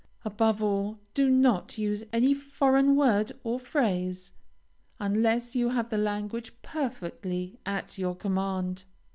Above all, do not use any foreign word or phrase, unless you have the language perfectly at your command.